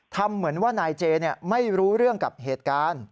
ทำเหมือนว่านายเจไม่รู้เรื่องกับเหตุการณ์